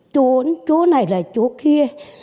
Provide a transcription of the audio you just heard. chốn chỗ này là chỗ kia